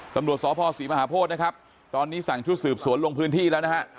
ตรวจสภศรีมหาโพธตอนนี้สั่งที่สืบสวนลงพื้นที่แล้ว